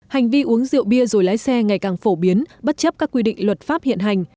hành vi uống rượu bia rồi lái xe ngày càng phổ biến bất chấp các quy định luật pháp hiện hành